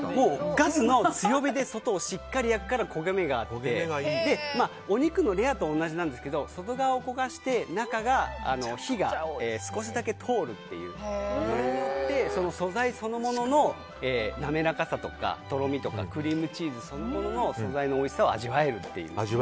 ガスの強火で外をしっかり焼くから焦げ目ができてお肉のレアと同じなんですけど外側を焦がして中が火が少しだけ通るというこれによって素材そのものの滑らかさとかとろみとかクリームチーズそのものの素材のおいしさを味わえるという。